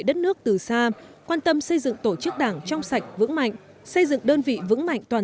đất nước từ xa quan tâm xây dựng tổ chức đảng trong sạch vững mạnh xây dựng đơn vị vững mạnh toàn